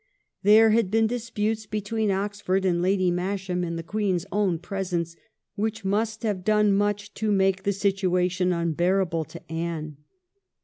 There had been dis putes between Oxford and Lady Masham, in the Queen's own presence, which must have done much to make the situation unbearable to Anne.